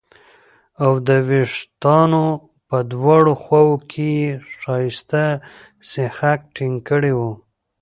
او د وېښتانو په دواړو خواوو کې یې ښایسته سیخک ټینګ کړي وو